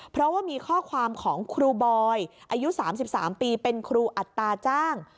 เพราะว่ามีข้อความของครูบอยอายุ๓๓ปีเป็นครูอัตราจ้าง